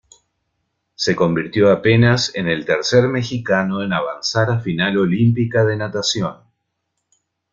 Se convirtió apenas en el tercer mexicano en avanzar a final olímpica de natación.